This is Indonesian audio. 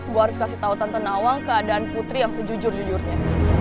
gua harus kasih tau tante nawang keadaan putri yang sejujur jujurnya